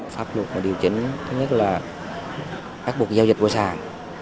pháp luật điều chỉnh thứ nhất là áp dụng giao dịch qua sàn